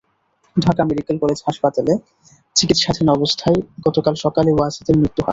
Dhaka medical college হাসপাতালে চিকিৎসাধীন অবস্থায় গতকাল সকালে ওয়াজেদের মৃত্যু হয়।